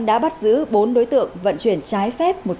đã bắt giữ bốn đối tượng vận chuyển trái phép